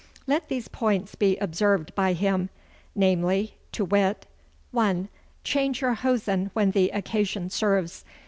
'Let these points be observed by him, namely, to wit: '1. Change your hosen when the occasion serves.